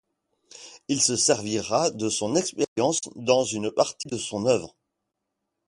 Il se servira de son expérience dans une partie de son œuvre.